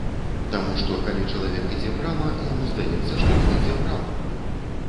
Таму што калі чалавек ідзе прама, яму здаецца, што ён ідзе прама.